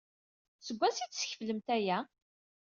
Seg wansi ay d-teskeflemt aya?